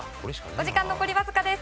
お時間残りわずかです。